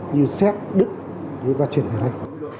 như xét đứt và chuyển về đây